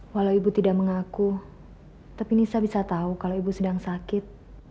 walau ibu tidak mengaku tapi nisa bisa tahu kalau ibu sedang sakit